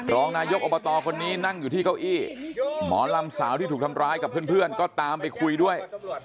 รองนายกอบตคนนี้นั่งอยู่ที่เก้าอี้หมอลำสาวที่ถูกทำร้ายกับเพื่อนก็ตามไปคุยด้วย